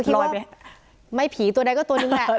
เราคิดว่าไม่ผีตัวใดก็ตัวนึงแหละ